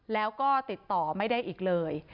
แล้วก็ติดต่อไม่ได้อีกเลย